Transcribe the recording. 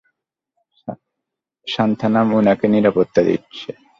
সান্থানাম উনাকে নিরাপত্তা দিচ্ছে।